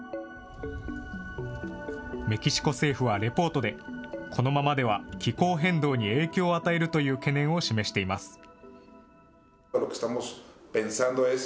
メキシコ政府はレポートで、このままでは気候変動に影響を与えるという懸念を示しています。